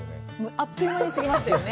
あっという間に過ぎましたよね。